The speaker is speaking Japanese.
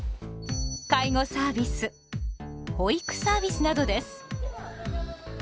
介護サービス保育サービスなどです。